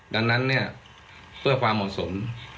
ดังนั้นเนี่ยเพื่อความเหมาะสม